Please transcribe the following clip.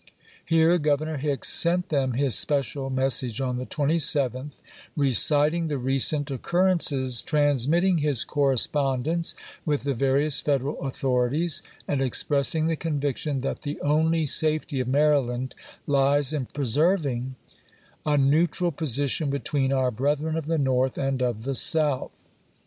Here Governor Hicks sent them his special mes sage on the 27th, reciting the recent occurrences, REBELLIOUS MARYLAND 169 transmitting his correspondence with the various chap.viii. Federal authorities, and expressing the conviction " that the only safety of Maryland lies in preserv ing a neutral position between our brethren of the ^^^^^^ North and of the South."